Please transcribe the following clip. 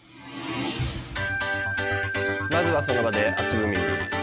まずは、その場で足踏み。